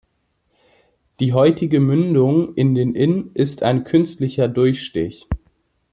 Die heutige Mündung in den Inn ist ein künstlicher Durchstich.